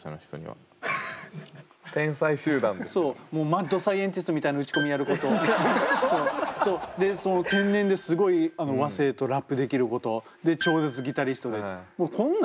マッドサイエンティストみたいな打ち込みやる子とその天然ですごい和声とラップできる子と超絶ギタリストで。